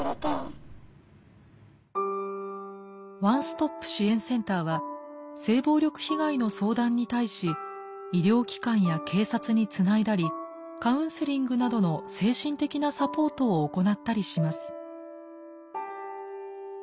ワンストップ支援センターは性暴力被害の相談に対し医療機関や警察につないだりカウンセリングなどの精神的なサポートを行ったりします。